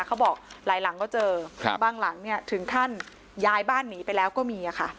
เขาบอกหลายหลังก็เจอบางหลังเนี่ยถึงขั้นย้ายบ้านหนีไปแล้วก็มีค่ะ